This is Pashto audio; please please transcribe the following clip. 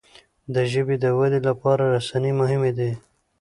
د ژبي د ودې لپاره رسنی مهمي دي.